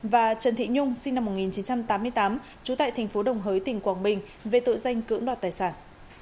và trần thị nhung sinh năm một nghìn chín trăm tám mươi tám trú tại thành phố đồng hới tỉnh quảng bình về tội danh cưỡng đoạt tài sản